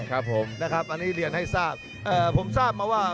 ครับผมนะครับอันนี้เรียนให้ทราบผมทราบมาว่า